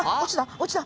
落ちた！